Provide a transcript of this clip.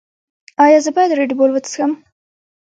ایا زه باید ردبول وڅښم؟